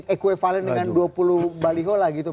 equivalen dengan dua puluh baliho lah gitu